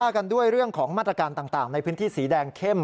กันด้วยเรื่องของมาตรการต่างในพื้นที่สีแดงเข้ม